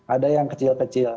ada yang kecil kecil